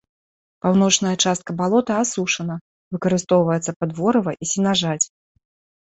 Паўночная частка балота асушана, выкарыстоўваецца пад ворыва і сенажаць.